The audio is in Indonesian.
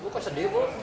bukan sedih bu